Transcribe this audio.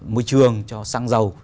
môi trường cho sang giàu